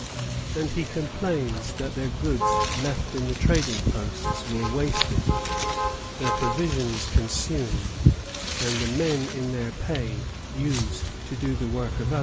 And he complains that their goods left in the trading posts were wasted, their provisions consumed, and the men in their pay used to do the work of others.